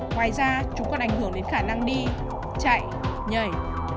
ngoài ra chúng còn ảnh hưởng đến khả năng đi chạy nhảy